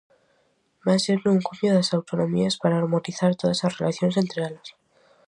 Vén sendo un cumio das autonomías para harmonizar todas as relacións entre elas.